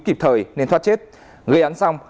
kịp thời nên thoát chết gây án xong